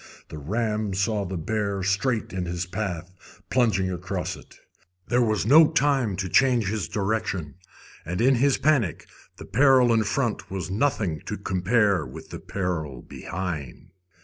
The ram saw the bear straight in his path, plunging across it. There was no time to change his direction, and in his panic the peril in front was nothing to compare with the peril behind.